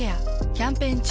キャンペーン中。